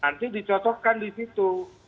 nanti dicotokkan di situ